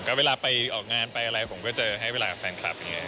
ก็เวลาไปออกงานไปอะไรผมก็จะให้เวลากับแฟนคลับอย่างนี้